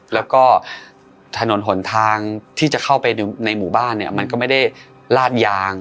แล้วก็ถนนหนทางที่จะเข้าไปในหมู่บ้านเนี่ยมันก็ไม่ได้ลาดยาง